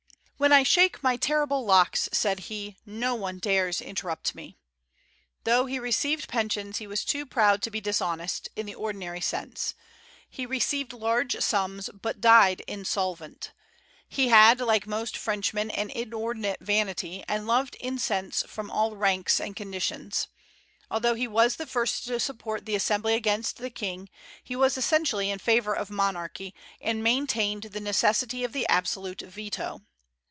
"When I shake my terrible locks," said he, "no one dares interrupt me." Though he received pensions, he was too proud to be dishonest, in the ordinary sense. He received large sums, but died insolvent. He had, like most Frenchmen, an inordinate vanity, and loved incense from all ranks and conditions. Although he was the first to support the Assembly against the King, he was essentially in favor of monarchy, and maintained the necessity of the absolute veto.